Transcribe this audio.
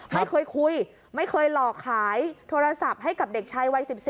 ไม่เคยคุยไม่เคยหลอกขายโทรศัพท์ให้กับเด็กชายวัย๑๔